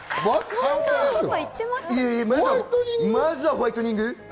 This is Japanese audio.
まずはホワイトニング。